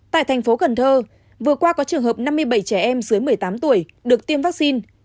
tại thành phố cần thơ vừa qua có trường hợp năm mươi bảy trẻ em dưới một mươi tám tuổi được tiêm vaccine